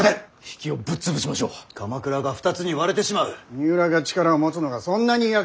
三浦が力を持つのがそんなに嫌か！